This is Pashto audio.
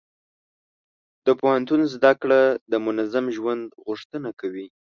د پوهنتون زده کړه د منظم ژوند غوښتنه کوي.